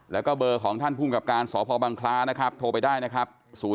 แล้วก็เบอร์ของท่านภูมิกับการสพบังคลานะครับโทรไปได้นะครับ